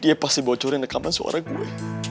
dia pasti bawa curi nekaman suara gue